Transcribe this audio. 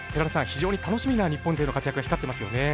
非常に楽しみな日本勢の活躍が光ってますよね。